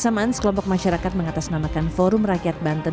di kesamaan sekelompok masyarakat mengatasnamakan forum rakyat banten